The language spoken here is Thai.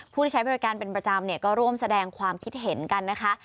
ผู้ที่ใช้บริการเป็นประจำเนี่ยก็ร่วมแสดงความคิดเห็นกันนะคะ